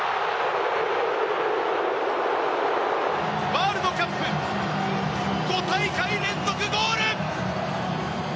ワールドカップ５大会連続ゴール！